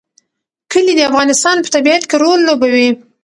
کلي د افغانستان په طبیعت کې رول لوبوي.